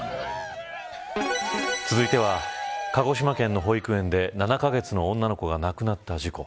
続いては鹿児島県の保育園で７カ月の女の子が亡くなった事故。